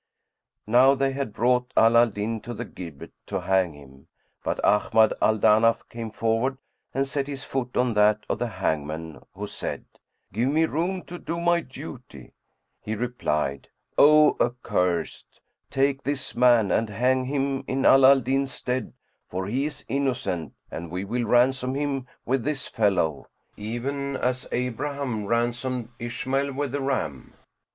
[FN#102] Now they had brought Ala al Din to the gibbet, to hang him, but Ahmad al Danaf came forward and set his foot on that of the hangman, who said, "Give me room to do my duty." He replied, "O accursed, take this man and hang him in Ala al Din's stead; for he is innocent and we will ransom him with this fellow, even as Abraham ransomed Ishmael with the ram."